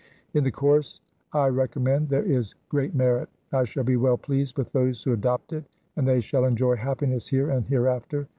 In the course I recommend there is great merit. I shall be well pleased with those who adopt it, and they shall enjoy happiness here and hereafter.